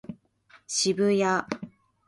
渋谷